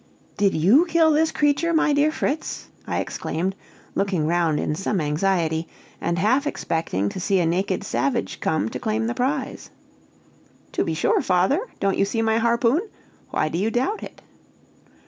"Did you kill this creature, my dear Fritz?" I exclaimed, looking round in some anxiety, and half expecting to see a naked savage come to claim the prize. "To be sure, father! don't you see my harpoon? Why do you doubt it?"